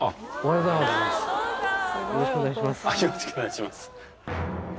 よろしくお願いします